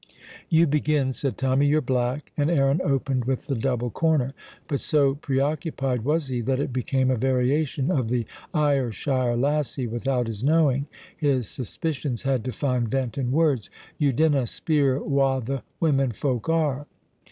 "You begin," said Tommy; "you're black." And Aaron opened with the Double Corner; but so preoccupied was he that it became a variation of the Ayrshire lassie, without his knowing. His suspicions had to find vent in words: "You dinna speir wha the women folk are?"